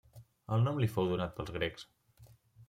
El nom li fou donat pels grecs.